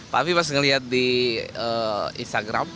tapi pas ngeliat di instagram